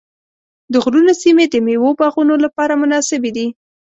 د غرونو سیمې د مېوو باغونو لپاره مناسبې دي.